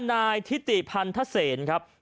นายทิติพันธเสนครับ